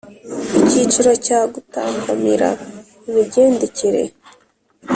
Icyiciro cya gutambamira imigendekere